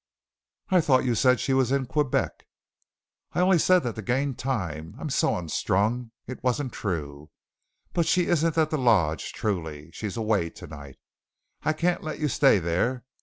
"I thought you said she was in Quebec?" "I only said that to gain time. I'm so unstrung. It wasn't true, but she isn't at the lodge, truly. She's away tonight. I can't let you stay there.